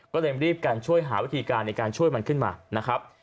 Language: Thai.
ก็เลยรีบกันช่วยหาวิธีการในการช่วยมันขึ้นมานะครับ